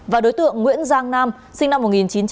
và đối tượng nguyễn giang nam sinh năm một nghìn chín trăm tám mươi